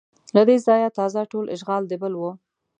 له دې ځایه تازه ټول اشغال د بل و